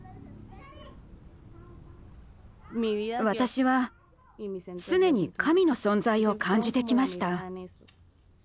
私は常に神の存在を感じてきました。